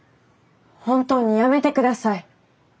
本当にやめて下さい。